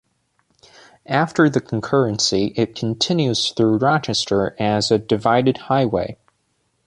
After the concurrency, it continues through Rochester as a divided highway.